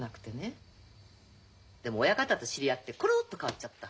でも親方と知り合ってコロッと変わっちゃった。